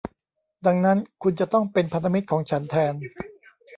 ดังนั้นคุณจะต้องเป็นพันธมิตรของฉันแทน